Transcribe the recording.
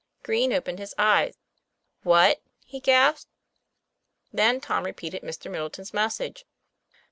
Green opened his eyes. "What?" he gasped. Then Tom repeated Mr. Middleton's message.